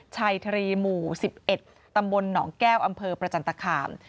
ชัยทรีหมู่๑๑ตำบลหนองแก้วอำเภอประจันตคาม